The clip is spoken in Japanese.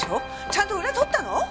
ちゃんとウラ取ったの？